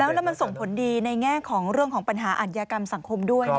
แล้วแล้วมันส่งผลดีนัยแง่ของเรื่องของปัญหาอันยากรรมสังคมด้วยนะครับ